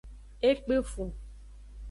E kpefun.